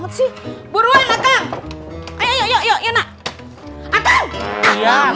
tunggu aku nya ada air nih